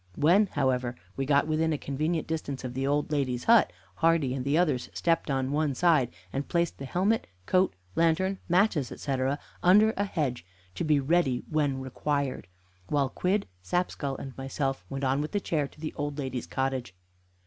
When, however, we got within a convenient distance of the old lady's hut, Hardy and the others stepped on one side, and placed the helmet, coat, lantern, matches, etc., under a hedge, to be ready when required, while Quidd, Sapskull, and myself went with the chair to the old lady's cottage.